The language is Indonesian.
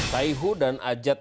kaihu dan ajad